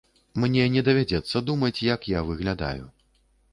Мне не давядзецца думаць, як я выглядаю.